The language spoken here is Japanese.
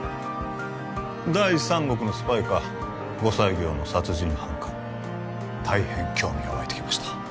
第三国のスパイか後妻業の殺人犯か大変興味がわいてきました